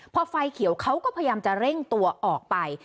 พอไฟเขียวเขาก็พยายามจะเร่งตัวออกไป